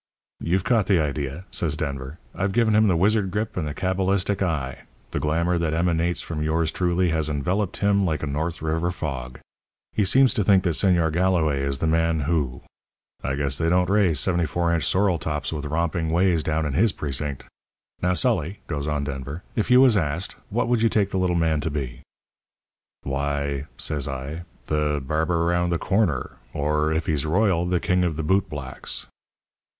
"'You've caught the idea,' says Denver. 'I've given him the wizard grip and the cabalistic eye. The glamour that emanates from yours truly has enveloped him like a North River fog. He seems to think that Señor Galloway is the man who. I guess they don't raise 74 inch sorrel tops with romping ways down in his precinct. Now, Sully,' goes on Denver, 'if you was asked, what would you take the little man to be?' "'Why,' says I, 'the barber around the corner; or, if he's royal, the king of the boot blacks.'